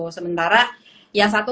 sementara yang satu